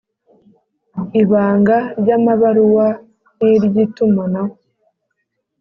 Ibanga ry’amabaruwa n’iry’itumanaho